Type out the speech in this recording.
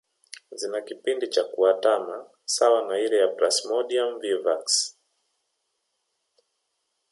Zina kipindi cha kuatama sawa na ile ya Plasmodium vivax